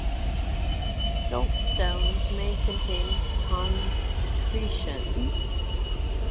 Siltstones may contain concretions.